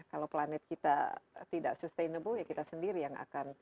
kalau planet kita tidak sustainable ya kita sendiri yang akan